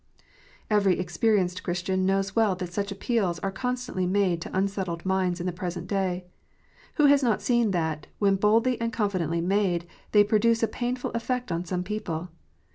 Every experienced Christian knows well that such appeals are constantly made to unsettled minds in the present day. Who has not seen that, when boldly and confidently made, they produce a painful effect on some people